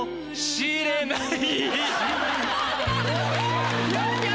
「しれない」。